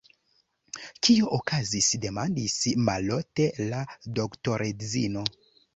Kio okazis? demandis mallaute la doktoredzino.